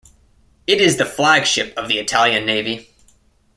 It is the flagship of the Italian Navy.